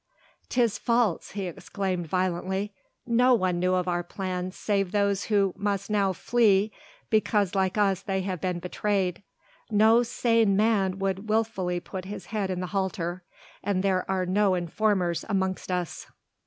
"'Tis false," he exclaimed violently, "no one knew of our plans save those who now must flee because like us they have been betrayed. No sane man would wilfully put his head in the halter, and there are no informers amongst us."